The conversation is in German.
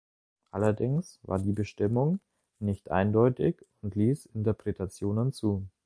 Allerdings war die Bestimmung nicht eindeutig und ließ Interpretationen zu.